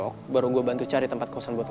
kita mau cari dimana tempat kosan buat lo